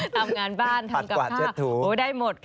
ทำงานบ้านทำกับข้าวได้หมดค่ะพัดกวาดเจ็ดถูก